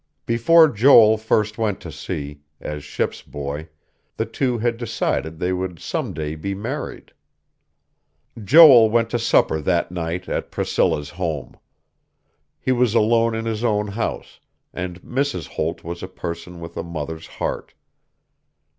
Before Joel first went to sea, as ship's boy, the two had decided they would some day be married.... Joel went to supper that night at Priscilla's home. He was alone in his own house; and Mrs. Holt was a person with a mother's heart.